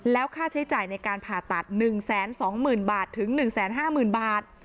แล้วค่าใช้จ่ายในการผ่าตัด๑๒๐๐๐บาทถึง๑๕๐๐๐บาท